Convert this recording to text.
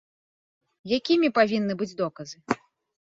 Якімі павінны быць доказы?